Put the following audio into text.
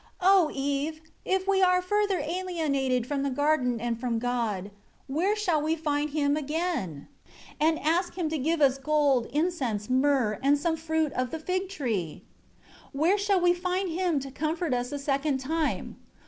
11 O Eve, if we are further alienated from the garden and from God, where shall we find Him again, and ask Him to give us gold, incense, myrrh, and some fruit of the fig tree? 12 Where shall we find Him, to comfort us a second time?